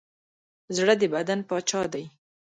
زړه د بدن پاچا دی.